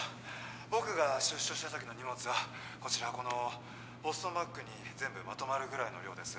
僕が出所した時の荷物はこちらこのボストンバッグに全部まとまるぐらいの量です